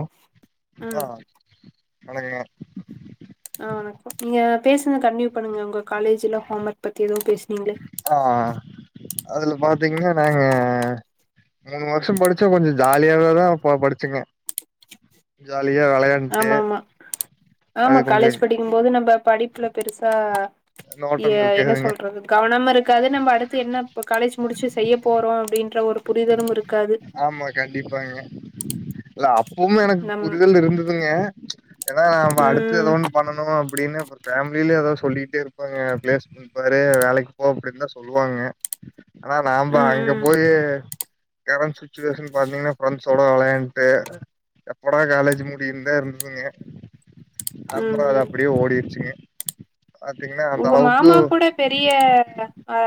ஓ ஆ ம் நல்லாயிருகீங்ளா ஆ வணக்க நீங்க பேசுது கண்டினியூ பண்ணுங்க உங்க காலேஜ்ல ஹோம் ஒர்க் பத்தி எதோ பேசுனீங்ளே ஆ அதுல பாத்தீங்கன்னா நாங்க மூணு வருஷோ படிச்ச கொஞ்சம் ஜாலியாவ தா படிச்சுங்க ஜாலியா விளையா ஆமா ஆமா ஆமா காலேஜ் படிக்கும்போது நம்ப படிப்புல பெருசா ஏ நோட்டம் என்ன இருக்காதுங்க சொல்றது கவனமா இருக்காது நம்ம அடுத்து என்ன காலேஜ் முடிச்சு செய்ய போறோம் அப்டின்ற ஒரு புரிதலும் இருக்காது ஆமா கண்டிப்பாங்க இல்ல அப்பவும் எனக்கு நம் புரிதல் இருந்ததுங்க ஏனா நாம அடுத்து ம் எதோ ஒன்னு பண்ணனு அப்டின்னு ஃபேமிலே ஏதாவது சொல்லிட்டே இருப்பாங்க பிளேஸ் ம் பாரு வேலைக்கு போ அப்டின் தா சொல்லுவாங்க ஆனா நாம ம் அங்க ம் போயி கரண்ட் சுச்சுவேஷன் பாத்தீங்கன்னா பஞ்ச் தொட விளையான்ட்டு எப்படா காலேஜ் முடியுந்தா இருந்ததுங்க ம் அப்பறோ அது ம் அப்டியே ஓடிடுச்சுங்க உங்க மாமா கூட பெரிய ஆ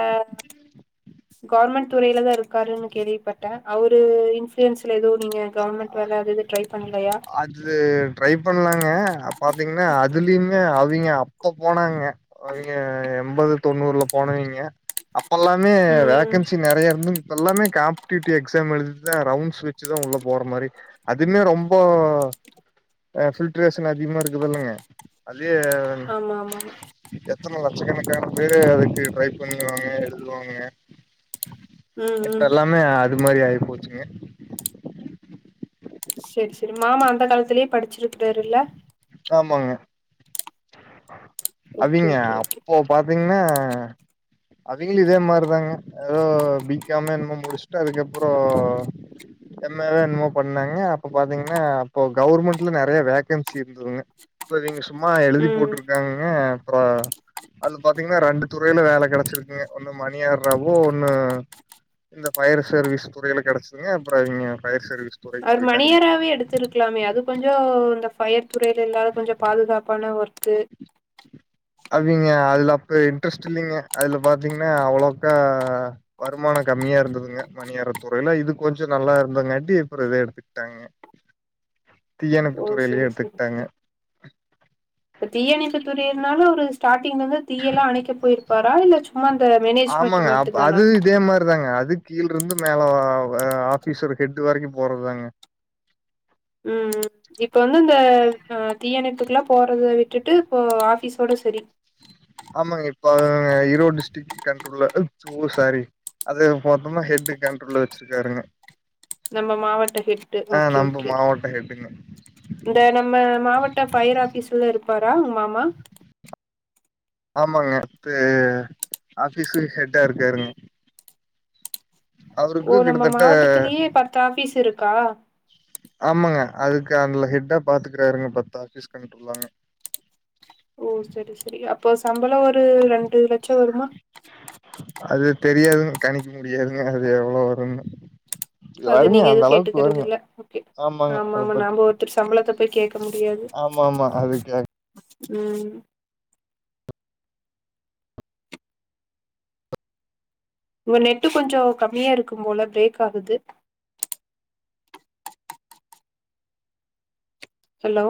கவர்மெண்ட் துறையிலதா இருக்காருனு கேள்விப்பட்டே அவுரு இன்ஃப்லியன்ஸ்ல ஏதுவு நீங்க கவர்ன்மெண்ட் வேலை அது இது ட்ரை பண்லையா அது ட்ரை பண்லாங்க அ பாத்தீங்னா அதுலயுமே அவிங்க அப்ப போனாங்க அவிங்க எண்பது தொண்ணூற்ல போனவிங்க இப்பல்லாமே ம் வேக்கன்சி நெறைய இருந்து இப்பல்லாமே கா டி டி எக்ஸாம் எழுதிட்த ரவுண்ட்ஸ் வச்சுதா உள்ள போற மாரி அதுமே ரொம்போ அ பில்ட்ரேஷன் அதிகமா இருக்குதில்லங்க அதே ஆமா ஆமா எத்தன லட்சக்கணக்கான பேரு அதுக்கு ட்ரை பண்ணுவாங்க எதுவாங்க ம் இப்ப ம் எல்லாமே அது மாரி ஆயி போச்சுங்க சரி சரி மாமா அந்த காலத்துலயே படிச்சுருக்குறார் இல்ல ஆமாங்க ஓகே அவிங்க ஓகே ஓகே அப்போ பாத்தீங்னா அவிங்களு இதே மாரிதாங்க ஏதோ பிகாமோ என்னமோ முடிச்சுட்டு அதுக்கப்புறோ எம் ஏ வொ என்னம்மொ பண்னாங்க அப்ப பாத்தீங்ன்னா அப்போ கவுர்மெண்ட்ல நெறைய வேகன்சி இரு ந்ததுங்க அப்ப நீங்க சும்மா எழுதி ம் போட்ருக்காங்கக அப்றொ அதுல பாத்தீங்ன்னா ரெண்டு துறையில வேல கெடச்சிருக்குங்க ஒண்ணு மணியார்ராவோ ஒண்ணு இந்த ஃபயர் சர்வீஸ் துரையில கெடச்சதுங்க அப்பற இவிங்க ஃபயர் சர்வீஸ் துறைக்கு அவர் போயிட்டாங்க மணியாராவே எடுத்திருந் ருக்கலாமே அது கொஞ்ச இந்த ஃபயர் துறையில இல்லாத கொஞ்ச பாதுகாப்பான ஒரு த்து அவிங்க அதுல அப்ப இன்ட்ரெஸ்ட் இல்லேங்க அதுல பாத்தீங்னா அவ்ளக்கா வருமானொ கம்மியா இருந்ததுங்க மணியாரர் துறையில இது கொஞ்ச நல்லா இருந்தங்காட்டி அப்புறோ இத எடுத்துக்கிட்டாங்க தீயணைப்பு ஓ துறையிலயே செரி செரி எடுத்துக்கிட்டாங்க இப்ப தீயணைப்பு துறையிலனாலு ஒரு ஸ்டாடிங்லந்து தீயெல்லா அணைக்க போயிர்ப்பாரா இல்ல சும்மா இந்த மேனேஜ்மெண்ட் ஆமாங்க அப் மட்டுந்தானா அது இதே மாரிதாங்க அது கீழ்ருந்து மேல ஆபிஸ் ஒரு ஹெட் வரைக்கு போறத்தாங்க ம்ம் இப்ப வந்து இந்த தீயணைப்புக்கெல்லா போறத விட்டுட்டு இப்போ ஆபிஸோட சரி ஆமாங்க இப்போ ஈரோட் டிஸ்ட்ரிக் கண்ட்ரோல்ல ஓ சாரி அது பாத்தோனா ஹெட்டு கண்ட்ரோல்ல வச்சிருக்காருங்க நம்ம மாவட்ட ஹெட்டு ஆ ஓகே நம்ம ஓகே மாவட்ட ஹெட்டுங்க இந்த நம்ம மாவட்ட பயர் ஆபிஸ்ல இருப்பாரா உங் மாமா ஆமாங்க இப்ப ஆபீஸ்க்கு ஹெட்டா இருக்காருங்க ஓ அவருக்கு நம்ம கிட்டத்தட்ட மாவட்டத்துலயே பத்து ஆபீஸ் இருக்கா ஆமாங்க அதுக்கு அதலா ஹெட்டா பாத்துக்குறார்ங்க பத்தாபீஸ கண்ட்ரோலாங்க ஓ சரி சரி அப்போ சம்பளொ ஒரு ரெண்டு லச்சொ வருமா அது தெரியாதுங்க கணிக்க முடியாதுங்க அது எவ்ளோ வருன்னு அது நீங்க எது கேட்டுக்கிறதில்ல ஓகே ஆமாங்க ஆமா அத ஆமா பத்தி நாம ஒருத்தர் சம்பளத்த போய் கேக்க முடியாது ஆமா மா அது கேக் ம் உங்க நெட்டு கொஞ்சோ கம்மியா இருக்கும் போல பிரேக் ஆகுது ஹலோ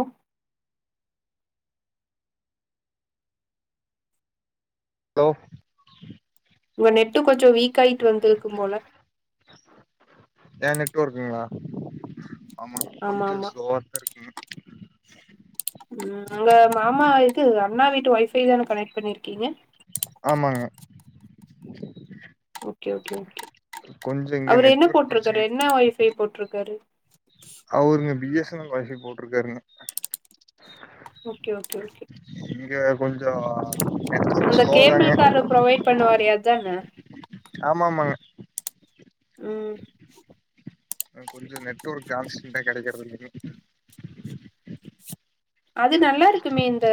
ஹலோ உங்க நெட்டு கொஞ்சொ வீக் ஆயிட்டு வந்திருக்கும் போல ஏ நெட் வொர்க்குங்ளா ஆமா கொஞ்சொ ஸ்லோவா தா இருக்குங்க ம் அங்க மாமா இது அண்ணா வீட்டு ஒய்பை தானே கனெக்ட் பண்ணிருக்கீங்க ஆமாங்க [inaudible] ஓகே ஓகே ஓகே கொஞ்சோ இங்க அவரு என்ன நெட்வொர்க் போட்ருக்காரு பிரச்சனை என்ன ஒய்ஃபை போட்ருக்காரு அவருங்க B S N L wifi போட்ருக்காருங்க ஓகே ஓகே ஓகே இங்கே கொஞ்சோ நெட்டு அந்த ஸ்லோ தாங்க கேபிள்காரர் ப்ரொவைட் பண்ணுவாரே அதான [inaudible] ஆமா ஆமாங்க ம் கொஞ்சொ நெட்ஒர்க்கு கான்ஸ்ட்ரன்டா கெடைக்கிறதுல்லேங்க அது நல்லா இருக்குமே இந்த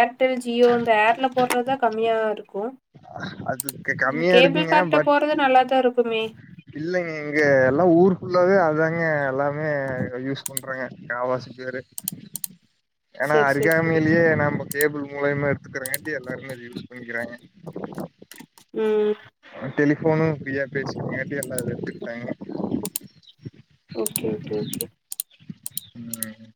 ஏர்டெல் ஜியோ இந்த ஏர்ல போடுறதா கம்மியா இருக்கு அதுக்கு ம் கம்மியா கேபிள் இருக்குங்க கார்ட்ட போறது நல்லாதா இருக்குமே இல்லங்க இங்க எல்லா ஊரு ஃபுல்லாவே அதாங்க எல்லாமே யூஸ் பண் ண்றாங்க காவாசி பேரு [inaudible] ஏனா சேரி சேரி அருகாமையிலே நமக்கு டேபிள் மூலியமா எடுத்துக்கறாங்கன்ட்டு எல்லாருமே அத யூஸ் பண்ணிக்றாங்க ம் டெலிபோனு ஃப்ரியா பேசட்டுனு மேபி எல்லாரு எடுத்துக்கிட்டாங்க ஓகே ஓகே ஓகே ம்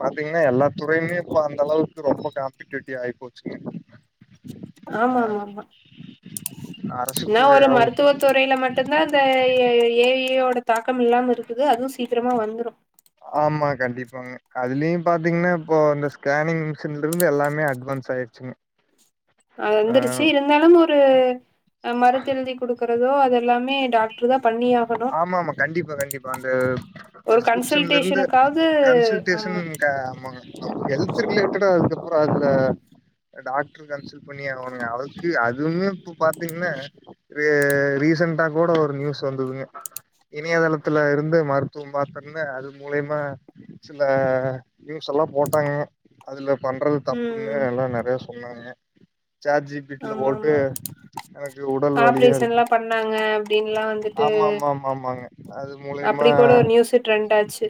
பாத்தீங்கன்னா எல்லா துறையுமே இப்போ அந்த அளவுக்கு ரொம்ப காம்படேட்டிடிவ் ஆயி போச்சுங்க ஆமா அ ஆமா ஆமா அரசு நா ஒரு துறையாவு மருத்துவத்து துறைல மட்டுந்தா அந்த ஏ ஐ யோட தாக்கம் இல்லாம இருக்குது அதுவு சீக்கிரமா வந்துடும் ஆமா கண்டிப்பாங்க அதுலையு பாத்தீங்கன்னா இப்போ இந்த ஸ்கேனிங் சென்ட்ருந்து எல்லாமே அட்வான்ஸ் ஆயிடுச்சுங்க அ வந்துருச்சு இருந்தாலு ஒரு அ மருந்து எழுதி குடுக் க்கறதோ அது எல்லாமே டாக்டர் தா பண்ணியா ஆமாமா கண்டிப்பா கண்டிப்பா இந்த ஒரு ப்ரஸ்கிரிப்ஷன்ல இருந்து கன்சல்டேஷனுக்காவது ஆமா கன்சல்ட்டேசனிங் க ஆமாங்க ஹெல்த் ரிலேட்டடா அதுக்கப்றோ அதுல அ டாக்ட்ரு கன்சல்ட் பண்ணி ஆகனுங்க அளவ்க்கு அதுவுமே இப் பாத்தீங்கன்னா ரே ரீசண்டா கூட ஒரு நியூஸ் வந்துதுங்க இணையதளத்துல இருந்து மருத்துவம் பாத்துருந்தா அது மூலியமா சில நியூஸ் எல்லா போட்டாங்க அதுல பண்றது தப்புன்னு ம் எல்லா நெறைய சொன்னங்க ஜேட் ஜி பிட்டில ஆமா போட்டு ஆமா எனக்கு உடல் வலியா இருக்கு டாங்க அப்டின்னுலா வந்துட் ஆமா ஆமா ஆமா ஆமாங்க அது மூலியமா அப்படி கூட ஒரு நியூஸ் ட்ரெண்ட் ஆச்சு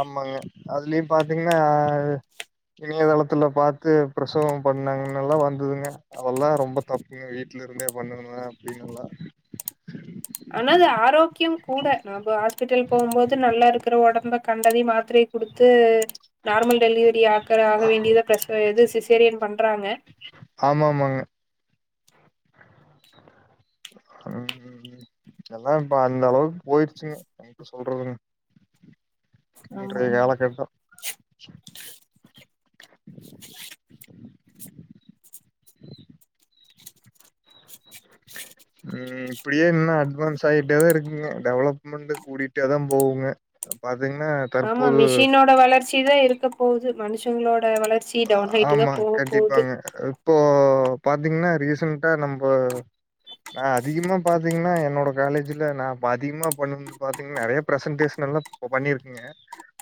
ஆமாங்க அதுலையு பாத்தீங்கன்னா அது இணையதளத்துல பாத்து பிரசவம் பண்ணாங்கன்னுல்லா வந்ததுங்க அதல்லா ரொம்ப தப்புங்க வீட்ல இருந்தே பண்ணுனுவே அப்டின்னுல்லா [inaudible] ஆனா அது ஆரோக்கியம் கூட நம்ப ஹாஸ்பிட்டல் போகும் போது நல்லா இருக்குற ஒடம்ப கண்டதையு மாத்தரைய குடுத்து நார்மல் டெலிவரி ஆக்குற ஆக வேண்டியதா பிரசவ இது சிசேரியன் பண்றாங்க ஆமாமாங்க ஹு ஹு ஹு எல்லா இப்ப அந்த அளவ்க்கு போய்ர்ச்சுங்க நைட்டு சொல்றதுன்னு ஆமா இன்றை யாலகட்டோ [inaudible] மட்டு உம் இப்படியே இன்னா அட்வான்ஸ் ஆயிட்டே தா இருக்குங்க டெவலப்மண்ட்டு கூடிட்டே தா போவுங்க அ பாத்தீங்னாத் ஆமா மிஷினோட வளர்ச்சி தா இருக்க போது மனுஷங்களோட வளர்ச்சி டி டவ்ன் ஹைட்டு நா போக போது போ பாத்தீங்னா ரீசன்ட்டா நம்ப நா அதிகமா பாத்தீங்கன்னா என்னோட காலேஜ்ல நா பாதிக்மா பண் பாத்தீங் நெறைய ப்ரசன்டேஷனல்லா போ பண்ணீர்க்கிங்க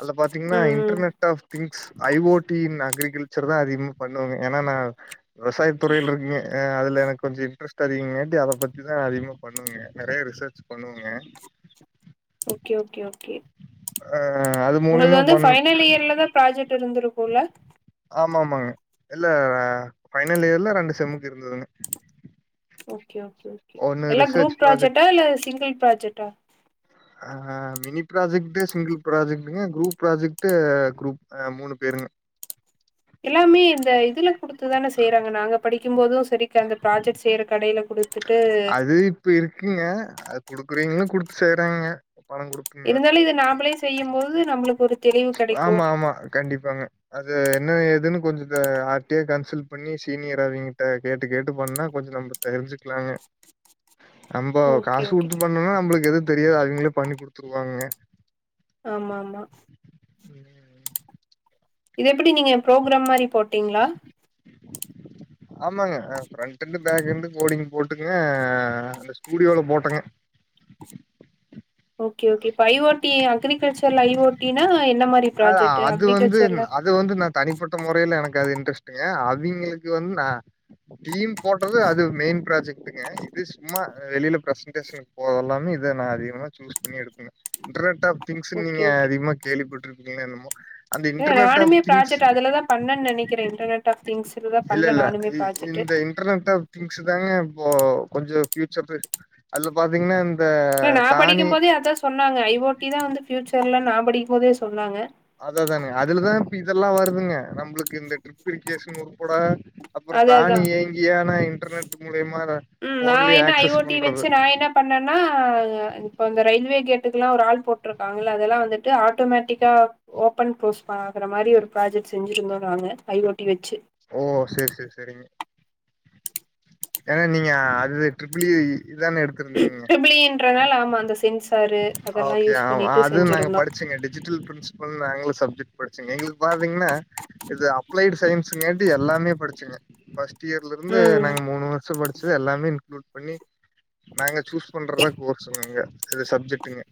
அல்ல பாத்தீங்னா ம் ம் internet of things IoT in agriculture தா அதிக்மு பண்ணுவாங்க ஏன்னா நாவ் விவசாய் துறைல் ருக்குங்க ஆ அதுல எனக் கொஞ்சு இன்ட்ரெஸ்ட் அதிகமேட்டி அத பத்தி தா அதிகமா பண்ணுவேங்க நெறயா ரிசச் பண்ணுவுங்க ஓகே ஓகே ஓகே ஆ அது உங்கள்து மூலியமா வந்து பண் ஃபைனல் இயர்லதா ப்ராஜட் இருந்துருக்கூல ஆமா ஆமாங்க இல்ல ஃபைனல் இயர்ல ரெண்டு செம்முக்கு இருந்துதுங்கு ஓகே ஓகே ஓகே எல்லா ரிசர்ச் க்ரூப் ப்ராஜெக்ட் ப்ராஜட்டா இல்ல சிங்கிள் ப்ராஜட்டா ஆ மினி ப்ராஜக்ட்டு சிங்கிள் ப்ராஜக்டுங்க க்ரூப் ப்ராஜக்ட்டு க்ரூப் ஆ மூணு பேரும்மு எல்லாமே இந்த இதுல குடுத்து தான அ படிக்கும் போது சரிக்க அந்த ப்ராஜட் செய்ற கடைய்ல அது இப் இருக்குங்க அது குடுக்குறீங்ளு குடுத் செய்றாங்க பணம் குடுத்துங்க. இருந்தாலு இது நாம்பளே செய்யும் போது நம்ளுக் ஒரு தெளிவு கெடைக்கு ஆமா ஆமா கண்டிப்பாங்க அது என்ன ஏதுன்னு கொஞ்சுத்த ஆர்ட்டியா கன்சல் பண்ணி சீனியர் அவிங்கிட்ட கேட்டு கேட்டு பண்ணா கொஞ்சு நம்பு தெரிஞ்சிக்லாங்க நம்போ ஓகே காசு ஓகே குத்து பண்ணோனா நம்ப்ளுக் எது தெரியா அவிங்களே பண்ணி குடுத்துருவாங்க ஆமாமா ம் இத் எப்படி நீங்க ப்ரோக்ராம் மாரி போட்டீங்ளா ஆமாங்க அ ஃப்ரண்ட்டண்டு பேக்கண்டு கோடிங் போட்டுங்க அந்த ஸ்டூடியோல போட்டங்க ஓகே ஓகே இப்ப ஐஓடி அக்ரிகல்ச்சர்ல ஐஓடினா என்ன மாரி அ ப்ராஜெட்டு அது வந்து அக்ரிகல்ச்சர்ல அது வந்து நா தனிப்பட்ட முறைய்ல எனக் அது இன்ட்ரெஷ்ட்டுங்க அவிங்களுக்கு வந் நா டீம் போட்றது அது மெய்ன் ப்ராஜெக்ட்டுங்க இது சும்மா வெளில ப்ரசன்டேஷன் போ அல்லாமே இது நா அதிகமா ச்சூஸ் பண்ணி எடு இன் இன்ட்டர்நெட் ஆப் தி்ங்ஸுன் ஓகே நீங்க ஓகே அதிக்மா கேள்விப்பட்ருக்கீங்ளா என்னமோ அந்த ஏ இன்டர்நெட் ஆஃப் நானுமே திங்ஸ் ப்ராஜட் அதுலதா பண்ண நெனைக்கிறே இன்டர்நெட் ஆஃப் திங்ஸுல தா இல்ல பண்ணே இல்ல நானுமே இ ப்ராஜட்டு இந்த இன்டர்நெட் ஆஃப் திங்ஸு தாங்க இப்போ கொஞ்சு ஃப்யூச்சர்ரு அல்லு பாத்தீங்னம் அ நா படிக்கும்பதே அதா சொன்னாங்க ஐ ஓட்டி தான் வந்து ஃபியூச்சர்ல நா படிக்கும் போதே சொன்னாங்க அத தானே அதுலதா இப் இதெல்லா வருதுங்க நம்ளுக்கு இந்த ட்ரு திர்கேஸு முற்படா அப்புற் அது அதா தானி ஏங்கியானா இன்டர்நெட் மூலியமாரா நா என்ன ஐ ஓட்டி வெச்சு நாய் என்ன பண்ணன்னா இப்பந்த ரயில்வே கேட்டுக்குல்லா ஒர் ஆள் போட்ருக்காங் இல்ல அதெல்லா வந்து ஆட்டோமெட்டிக்கா ஓபன் ப்ரோஸ் ஆகற மாரி ஒரு ப்ராஜெக்ட் செஞ்சிருந்தோ நானு ஐ ஒட்டி வச்சு ஓ சரி சரி சரிங்க ஏன்னா நீங்க அது ட்ரிபிள் ஐ இதானே எடு ட்பிள் இ ன்றனால ஆமா அந்த சென்ஸ் ஓகே அது நாங்க படிச்சுங்க டிஜிட்டல் பிரிண்ஸ் நாங்களா சப்ஜெக்ட் படிச்சுங்க எங்களுக்கு பாத்தீங்கன்னா இது அப்ளைட் சயின்ஸுங்காட்டி எல்லாமே படிச்சோங்க ஃபர்ஸ்ட் இயர்ல இருந்து ம் நாங்க மூணு வருஷ படிச்சது எல்லாமே இன்குளூட் பண்ணி நாங்க சூஸ் பண்றதா கோர்ஸுங்க அங்க இது சப்ஜெக்ட்டுங்க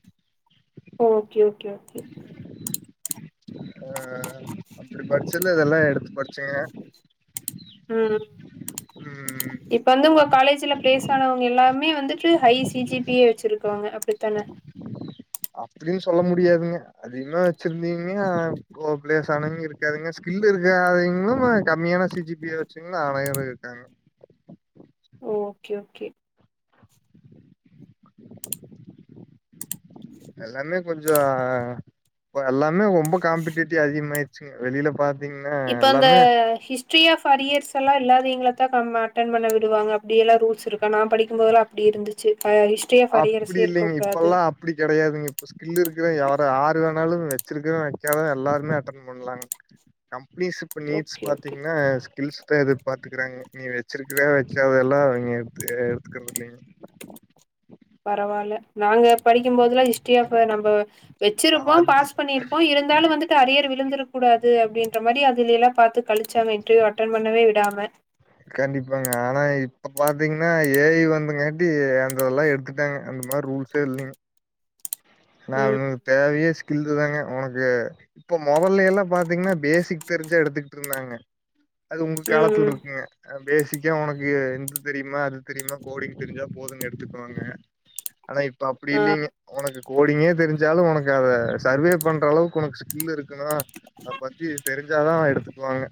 ஓகே ஓகே ஓகே அ அப்டி படிச்சல்ல இதெல்லா எடுத்து படிச்சங்க ம் ம் இப்ப வந்து உங்க காலேஜ்ல பிளேஸ் ஆனவங்க எல்லா மே வந்துட்டு ஹை சி ஜி பி யே வச்சிருக்காங்க அப்டித்தான அப்டியு சொல்ல முடியாதுங்க அதிகமா வச்சிருந்தீங்க கோப்லேஸ் ஆனங்க இருக்காதுங்க ஸ்கில் இருக்காதங்களு கம்மியான சி ஜி பி யா வச்சுங்கன்னா அணையரு இருக்காங்க ஓகே ஓகே எல்லாமே கொஞ்ச இப்ப எல்லாமே ரொம்ப காம்பிடேட்டிவ் அதிகமாயிருச்சுங்க வெளில பாத்தீங்கன்னா எல்லாமே ஃப்ரீ ஆஃப் அரியர்ஸ் எல்லா இல்லாத எங்கள தா அட்டன் பண்ண விடுவாங்க அப்டியெல்லா ரூல்ஸ் இருக்கா நா படிக்கு போதுல்லா அப்டி இருந்துச்சு ஹிஸ்ட்ரியாஃப் அரியர்சே அப்டி இருக்க இல்லைங்க கூடாது இப்பெல்லா அப்டி கிடையாதுங்க இப்ப ஸ்கில்லு இருக்கற எவரா ஆரு வேணாலு வச்சிருக்கற வக்காதவ எல்லாருமே அட்டன் பண்லாங்க கம்பெனிஸ் இப்ப நீட்ஸ் ஓகே ஓகே பாத்தீங்கன்னா கில்ஸ்தா எதிர்பாத்துக்கறாங்க நீ வச்சிருக்கிற வச்சாதெல்லா அவங்க எடுத்து எடுத்துக்கிறது இல்லைங்க பரவால்ல நாங்க படிக்குபோதெல்லா ஹிஸ்ரி ஆஃப் நம்ம வச்சிருப்போ அது பாஸ் பண்ணிருப்போ இருந் இருந்தாலு வந்துட்டு அரியர் விழுந்துரக் கூடாது அப்டின்ற மாரி அதுலேல்லா பாத்து கழிச்சு அவ இன்டர்வியூ அட்டன் பண்ணவேவிடாம கண்டிப்பாங்க ஆனா இப்ப பாத்தீங்கன்னா ஏ ஐ வந்துங்காட்டி அந்தெல்லா எடுத்துட்டு டாங்க அந்த மாரி ரூல்ஸே இல்லைங்க ம் அவனுங்களுக்கு தேவையே ஸ்கில்லு தாங்க உனக்கு இப்ப மொதல்ல எல்லா பாத்தீங்கன்னா பேசிக் தெரிஞ்சா எடுத்துக்கிட்டு இருந்தாங்க அது உங்க ம் காலத்துல ம் இருக்குங்க பேசிக்கா உனக்கு எந்த தெரியுமா அது தெரியுமா கோடிங் தெரிஞ்சா போது எடுத்துக்குவாங்க ஆனா இப்ப அப்டி ஆ இல்லைங்க உனக்கு கோடிங்கே தெரிஞ்சாலு உனக்கு அத சர்வே பண்ற அளவுக்கு உனக்கு ஸ்கில் இருக்கணு அத பத்தி தெரிஞ்சாதா எடுத்துக்குவாங்க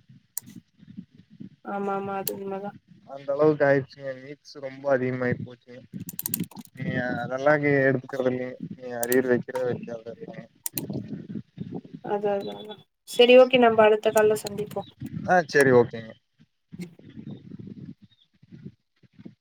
ஆமா ஆமா அது உண்மதா அந்த அளவுக்கு ஆயிடுச்சுங்க மீக்ஸ் ரொம்ப அதிகமாய் போச்சுங்க இங்க அதெல்லா இங்க எடுக்கறது இல்லைங்க நீங்க அரியர் வக்கிற வக்காம [unintelligible] அது அது அதா செரி ஓகே நம்ம அடுத்த கால்ல சந்திப்போ ஆ சரி ஓகேங்க